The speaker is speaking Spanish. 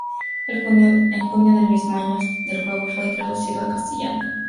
En junio del mismo año el juego fue traducido al castellano por Edge Entertainment.